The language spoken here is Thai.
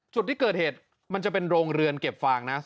จุดที่เกิดเหตุมันจะเป็นโรงเรือนเก็บฟางนะ